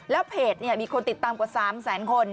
แล้วเพจมีคนติดตามกว่า๓แสนคน